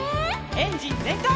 エンジンぜんかい！